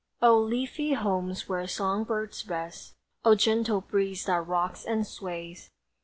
O leafy homes where song birds rest; O gentle breeze that rocks and sways!